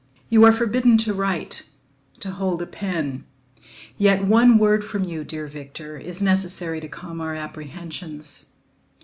You are forbidden to write—to hold a pen; yet one word from you, dear Victor, is necessary to calm our apprehensions.